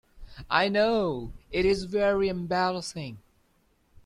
I know; it is very embarrassing.